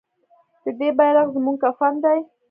د دې بیرغ زموږ کفن دی؟